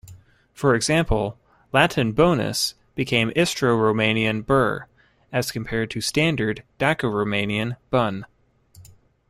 For example, Latin "bonus" became Istro-Romanian "bur", as compared to standard Daco-Romanian "bun".